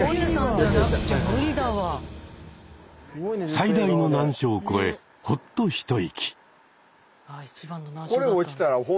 最大の難所を越えほっと一息。